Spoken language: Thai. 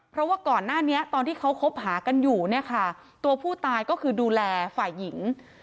เพราะว่าก่อนหน้านี้ตอนที่เขาคบหากันอยู่เนี่ยค่ะตัวผู้ตายก็คือดูแลฝ่ายหญิง